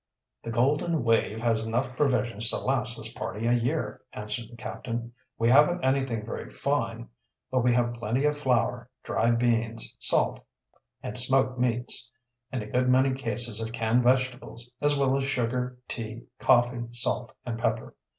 "The Golden Wave has enough provisions to last this party a year," answered the captain. "We haven't anything very fine, but we have plenty of flour, dried beans, salt and smoked meats, and a good many cases of canned vegetables, as well as sugar, tea, coffee, salt, and pepper.